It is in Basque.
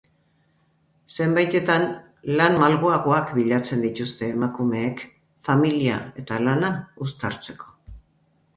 Zenbaitetan lan malguagoak bilatzen dituzte emakumeek familia eta lana uztartzeko.